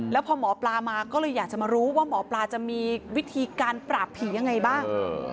แล้วพอหมอปลามาก็เลยอยากจะมารู้ว่าหมอปลาจะมีวิธีการปราบผียังไงบ้าง